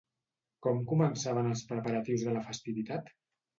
Com començaven els preparatius de la festivitat?